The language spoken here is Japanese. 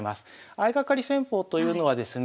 相がかり戦法というのはですね